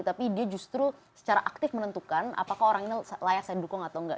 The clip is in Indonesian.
tapi dia justru secara aktif menentukan apakah orang ini layak saya dukung atau enggak